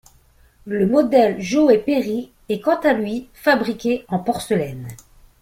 Le modèle Joe Perry est quant à lui fabriqué en porcelaine.